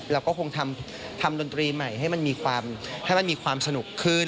เราก็คงทำดนตรีใหม่ให้มันมีความสนุกขึ้น